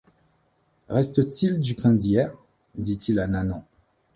Reste-t-il du pain d’hier? dit-il à Nanon.